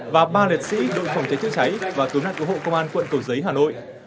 và ba liệt sĩ đội phòng chế chứa cháy và cứu nạn cứu hộ công an quận cổ giấy hà nội